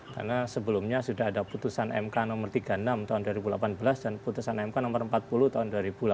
karena sebelumnya sudah ada putusan mk no tiga puluh enam tahun dua ribu delapan belas dan putusan mk no empat puluh tahun dua ribu delapan belas